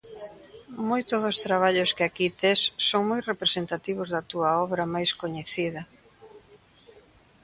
Moitos dos traballos que aquí tes son moi representativos da túa obra máis coñecía.